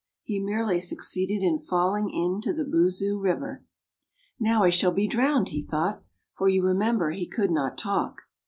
He merely succeeded in falling into the Boozoo river. "Now I shall be drowned," he thought, for you remember he could not talk.